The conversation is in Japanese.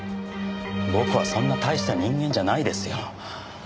僕はそんな大した人間じゃないですよ。